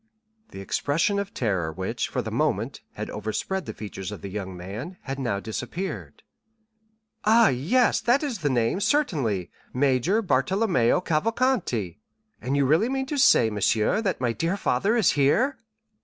The expression of terror which, for the moment, had overspread the features of the young man, had now disappeared. "Ah, yes, that is the name, certainly. Major Bartolomeo Cavalcanti. And you really mean to say; monsieur, that my dear father is here?"